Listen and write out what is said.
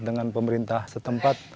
dengan pemerintah setempat